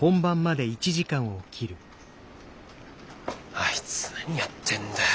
あいつ何やってんだよ。